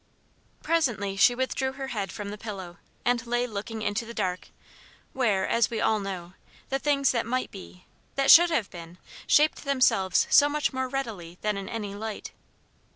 Presently she withdrew her head from the pillow and lay looking into the dark where, as we all know, the things that might be, that should have been, shape themselves so much more readily than in any light.